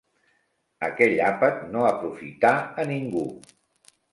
Aquell àpat no aprofità a ningú.